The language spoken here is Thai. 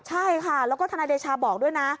ใช่ค่ะแล้วก็ทนายเดชาบอกด้วยนะ